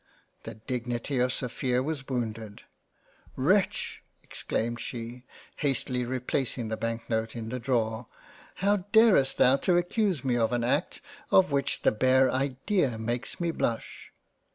. The dignity of Sophia was wounded ;" Wretch (exclaimed she, hastily replacing the Bank note in the Drawer) how darest thou to accuse me of an Act, of which the bare idea makes me blush